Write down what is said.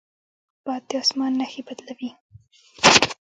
باد د اسمان نښې بدلوي